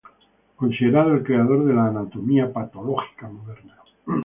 Considerado el creador de la anatomía patológica moderna.